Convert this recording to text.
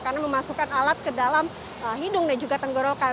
karena memasukkan alat ke dalam hidung dan juga tenggorokan